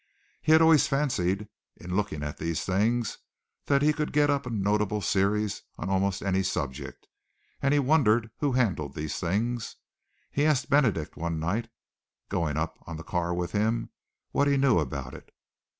He had always fancied in looking at these things that he could get up a notable series on almost any subject, and he wondered who handled these things. He asked Benedict one night, going up on the car with him, what he knew about it.